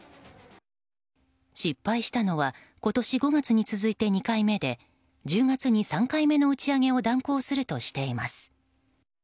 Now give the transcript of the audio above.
失敗したのは今年５月に続いて２回目で１０月に３回目の打ち上げを断行するとしています。